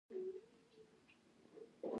که کورنۍ ښه فضا ولري، ټولنه هم ښه کېږي.